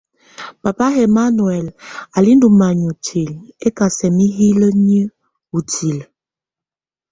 Papa ɛmanuhuɛlɛ á lɛ ndɔ manya utilǝ, ɛkasɛ mɛ hílǝ́nìǝ́ utilǝ́.